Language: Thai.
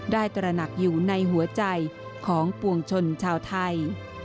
ตระหนักอยู่ในหัวใจของปวงชนชาวไทย